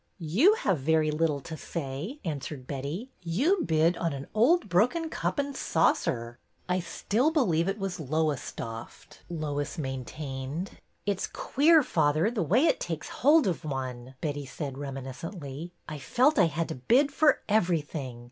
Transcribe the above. You have very little to say," answered Betty. You bid on an old broken cup and saucer." I still believe it was Lowestoft," Lois main tained. '' It 's queer, father, the way it takes hold of one," Betty said reminiscently. I felt I had to bid for everything.